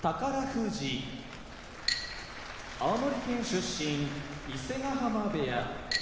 富士青森県出身伊勢ヶ濱部屋